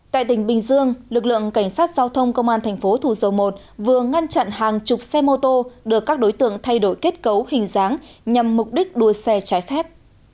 tại tỉnh bình dương lực lượng cảnh sát giao thông công an thành phố thủ dầu một vừa ngăn chặn hàng chục xe mô tô được các đối tượng thay đổi kết cấu hình dáng nhằm mục đích đua xe trái phép